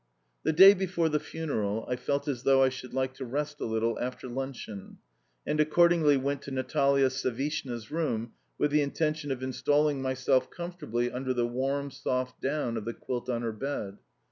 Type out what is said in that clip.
The day before the funeral I felt as though I should like to rest a little after luncheon, and accordingly went to Natalia Savishna's room with the intention of installing myself comfortably under the warm, soft down of the quilt on her bed.